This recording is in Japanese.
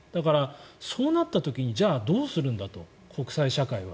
そうなった時にじゃあ、どうするんだと国際社会は。